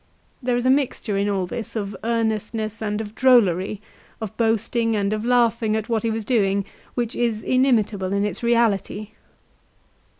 There is a mixture in all this of earnestness and of drollery, of boasting and of laughing at what he was doing, which is inimitable in its reality.